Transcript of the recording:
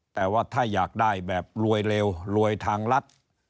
แต่ว่าถ้าอยากได้แบบรวยเร็วรวยทางรัฐ